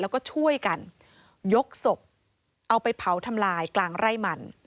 แล้วก็ช่วยกันยกศพเอาไปเผาทำลายกลางไร่มัน